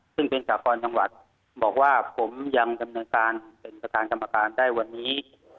ซึ่งเป็นสากรจังหวัดบอกว่าผมยังดำเนินการเป็นประธานกรรมการได้วันนี้